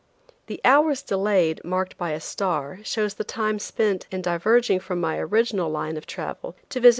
The "hours delayed" marked by a star shows the time spent in diverging from my original line of travel to visit M.